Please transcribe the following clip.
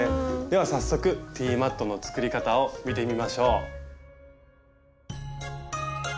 では早速ティーマットの作り方を見てみましょう。